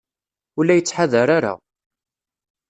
Ur la yettḥadar ara.